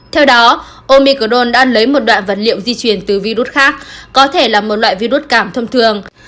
theo đó omicron đã lấy một đoạn vật liệu di chuyển từ virus khác có thể là một loại virus cảm thông thường